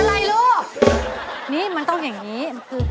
อันนี้ลูกนี้มันต้องแหงก็ดีเฮ้ย